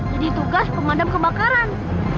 jadi tugas pemadam kebakaran